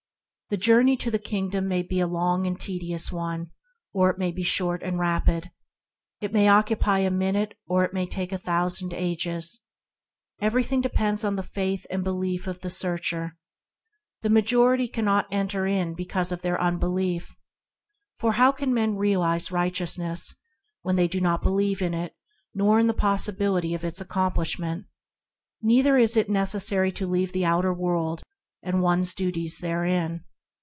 The journey to the Kingdom may be a long and tedious one, or it may be short and rapid. It may occupy a minute, or it may take ages. Everything depends upon the faith and belief of the searcher. The majority cannot "enter in because of their unbelief;" for how can men realize right eousness when they do not believe in it nor in the possibility of its accomplishment ? Neither is it necessary to leave the outer world, and one's duties therein.